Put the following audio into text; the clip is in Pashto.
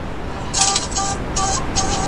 زه پرون د لوبو لپاره وخت نيسم وم،